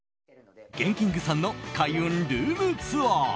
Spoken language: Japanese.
ＧＥＮＫＩＮＧさんの開運ルームツアー。